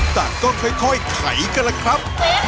แต่ก็ค่อยไขกันละครับ